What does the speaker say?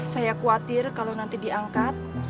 saya khawatir kalau nanti diangkat